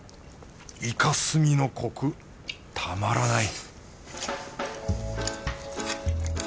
イカスミのコクたまらない